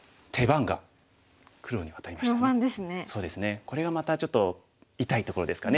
これがまたちょっと痛いところですかね。